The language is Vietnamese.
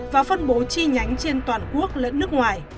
và phân bố chi nhánh trên toàn quốc lẫn nước ngoài